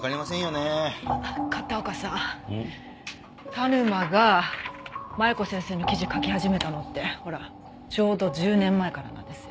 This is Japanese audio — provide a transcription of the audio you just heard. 田沼が麻弥子先生の記事書き始めたのってほらちょうど１０年前からなんですよ。